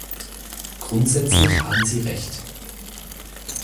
Grundsätzlich haben Sie Recht.